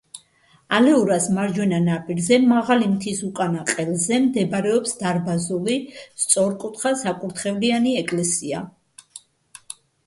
ალეურას მარჯვენა ნაპირზე, მაღალი მთის უკანა ყელზე მდებარეობს დარბაზული, სწორკუთხა საკურთხევლიანი ეკლესია.